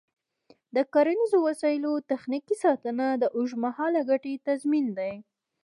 د کرنیزو وسایلو تخنیکي ساتنه د اوږدمهاله ګټې تضمین دی.